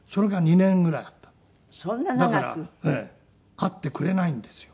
会ってくれないんですよ。